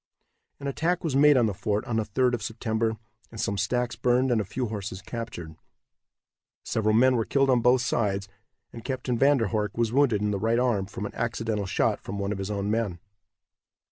An attack was made on the fort on the 3d of September, and some stacks burned and a few horses captured. Several men were killed on both sides, and Captain Van der Horck was wounded in the right arm from an accidental shot from one of his own men.